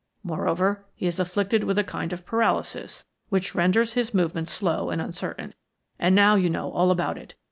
Moreover, he is afflicted with a kind of paralysis, which renders his movements slow and uncertain. And now you know all about it.